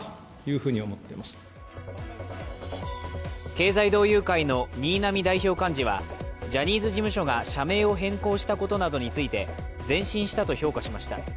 経済同友会の新浪代表幹事はジャニーズ事務所が社名を変更したことなどについて前進したと評価しました。